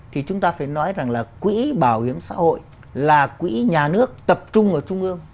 thì chúng ta phải nói rằng là quỹ bảo hiểm xã hội là quỹ nhà nước tập trung ở trung ương